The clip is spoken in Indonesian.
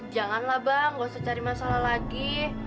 janganlah bang gak usah cari masalah lagi